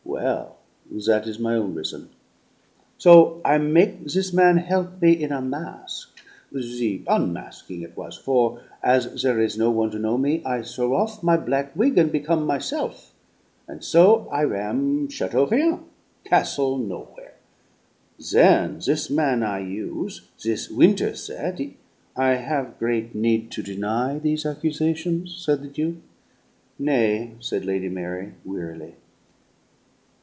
Well that is my own rizzon. So I make this man help me in a masque, the unmasking it was, for, as there is no one to know me, I throw off my black wig and become myself and so I am 'Chateaurien,' Castle Nowhere. Then this man I use', this Winterset, he " "I have great need to deny these accusations?" said the Duke. "Nay," said Lady Mary wearily.